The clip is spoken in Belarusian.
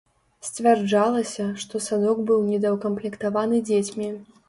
Сцвярджалася, што садок быў недаўкамплектаваны дзецьмі.